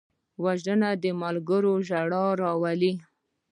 وژنه د ملګرو ژړا راولي